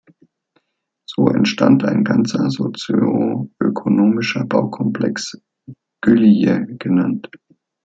So entstand ein ganzer sozio-ökonomischer Baukomplex, Külliye genannt.